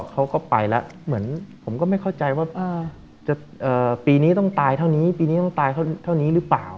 เขาก็ไปแล้วเหมือนผมก็ไม่เข้าใจว่าปีนี้ต้องตายเท่านี้หรือเปล่า